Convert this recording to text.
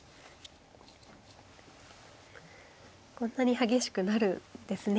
こんなに激しくなるんですね。